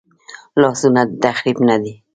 لاسونه د تخریب نه دي